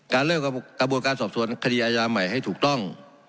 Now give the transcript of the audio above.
เริ่มกระบวนการสอบสวนคดีอาญาใหม่ให้ถูกต้อง